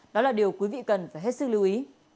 đó là điều quý vị cần phải hết sức lưu ý